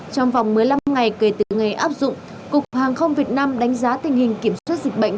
trong vòng một mươi năm ngày kể từ ngày áp dụng cục hàng không việt nam đánh giá tình hình kiểm soát dịch bệnh